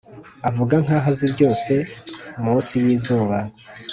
avuga nkaho azi byose munsi yizuba.